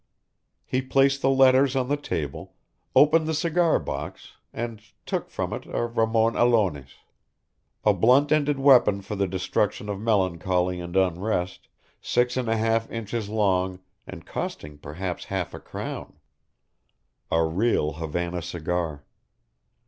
He placed the letters on the table, opened the cigar box and took from it a Ramon Alones. A blunt ended weapon for the destruction of melancholy and unrest, six and a half inches long, and costing perhaps half a crown. A real Havana cigar.